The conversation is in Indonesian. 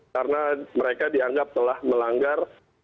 karena mereka dianggap telah melanggar